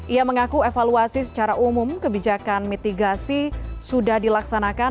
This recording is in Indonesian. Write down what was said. ia mengaku evaluasi secara umum kebijakan mitigasi sudah dilaksanakan